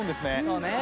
そうね。